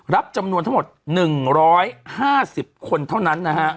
รับจำนวนทั้งหมด๑๕๐คนเท่านั้นนะฮะ